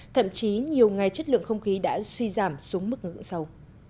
thậm chí nhiều ngày chất lượng không khí đã suy giảm xuống mức ngưỡng sâu